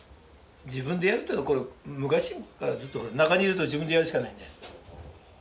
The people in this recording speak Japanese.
自分でやるっていうのは昔からずっと中にいると自分でやるしかないんだよ。